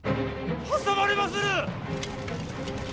挟まれまする！